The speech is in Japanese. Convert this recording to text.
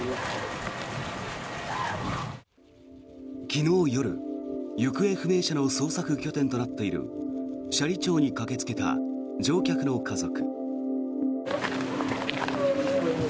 昨日夜、行方不明者の捜索拠点となっている斜里町に駆けつけた乗客の家族。